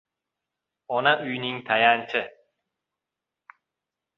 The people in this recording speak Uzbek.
• Ona ― uyning tayanchi.